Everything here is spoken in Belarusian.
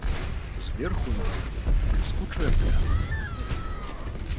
Зверху на галаве бліскучая пляма.